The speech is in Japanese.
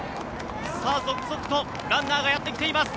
続々とランナーがやってきています。